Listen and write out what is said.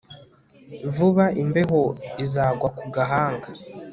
vuba imbeho izagwa ku gahanga